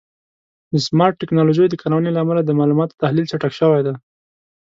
د سمارټ ټکنالوژیو د کارونې له امله د معلوماتو تحلیل چټک شوی دی.